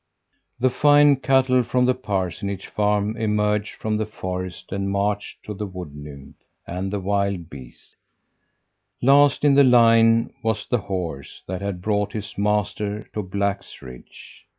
"The fine cattle from the parsonage farm emerged from the forest and marched to the Wood nymph and the wild beasts. Last in the line was the horse that had brought his master to Black's Ridge.